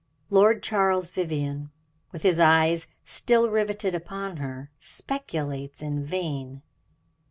Lord Charles Vivianne, with his eyes still riveted upon her, speculates in vain.